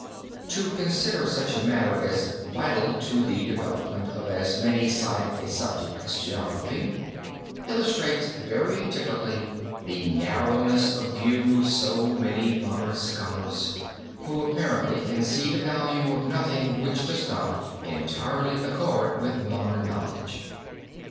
To consider such a matter as vital to the development of as many sided a subject as geography, illustrates very typically the narrowness of view of so many modern scholars, who apparently can see the value of nothing which does not entirely accord with modern knowledge.